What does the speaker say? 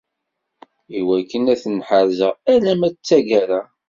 Iwakken ad ten-ḥerzeɣ alamma d taggara.